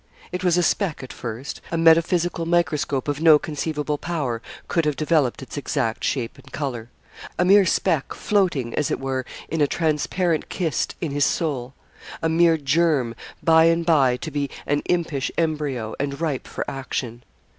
It was a speck at first; a metaphysical microscope of no conceivable power could have developed its exact shape and colour a mere speck, floating, as it were, in a transparent kyst, in his soul a mere germ by and by to be an impish embryo, and ripe for action.